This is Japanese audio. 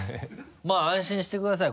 まぁ安心してください